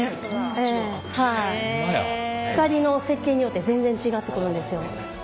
光の設計によって全然違ってくるんですよ。